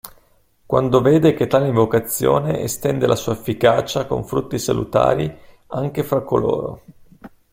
Quando vede che tale invocazione estende la sua efficacia con frutti salutari anche fra coloro.